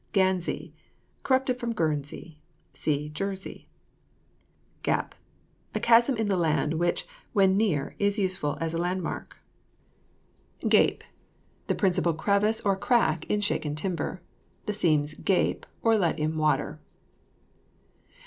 GANZEE. Corrupted from Guernsey. (See JERSEY.) GAP. A chasm in the land, which, when near, is useful as a landmark. GAPE. The principal crevice or crack in shaken timber. The seams gape, or let in water.